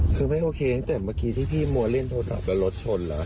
คือไม่โอเคตั้งแต่เมื่อกี้ที่พี่มัวเล่นโทรศัพท์แล้วรถชนแล้ว